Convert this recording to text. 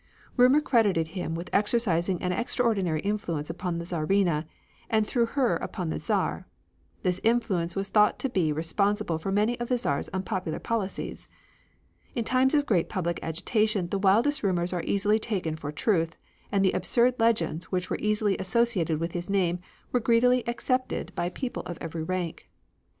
Rumor credited him with exercising an extraordinary influence upon the Czarina, and through her upon the Czar. This influence was thought to be responsible for many of the Czar's unpopular policies. In times of great public agitation the wildest rumors are easily taken for truth and the absurd legends which were easily associated with his name were greedily accepted by people of every rank.